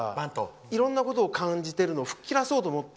いろんなことを感じてるのを吹っ切れさせようと思って。